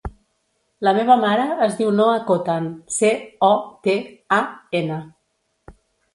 La meva mare es diu Noha Cotan: ce, o, te, a, ena.